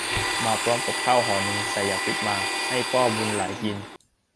มาพร้อมกับข้าวห่อหนึ่งใส่ยาพิษมาให้พ่อบุญหลายกิน